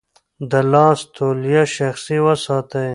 د لاس توليه شخصي وساتئ.